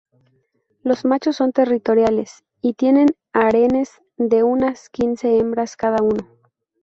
Los machos son territoriales y tienen harenes de unas quince hembras cada uno.